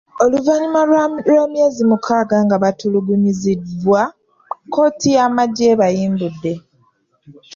Oluvannyuma lw’emyezi mukaaga nga batulugunyizibwa, kkooti y’amagye ebayimbudde.